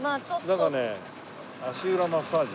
なんかね足裏マッサージ？